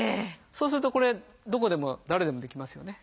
そうするとこれどこでも誰でもできますよね。